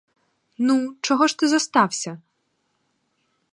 Ну, чого ж ти зостався?